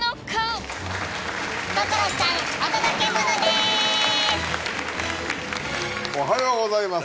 無事おはようございます。